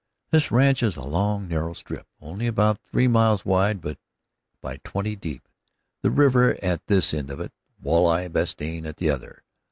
"This ranch is a long, narrow strip, only about three miles wide by twenty deep, the river at this end of it, Walleye Bostian at the other.